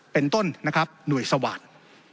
เป็นต้นหน่วยสวรรค์